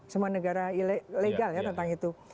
semua negara legal ya tentang itu